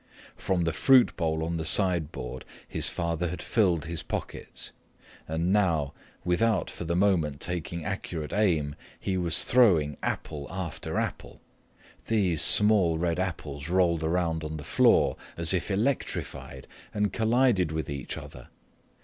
From the fruit bowl on the sideboard his father had filled his pockets. And now, without for the moment taking accurate aim, he was throwing apple after apple. These small red apples rolled around on the floor, as if electrified, and collided with each other.